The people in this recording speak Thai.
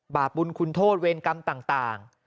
บาปบุญคุณโทษเวรกรรมต่าง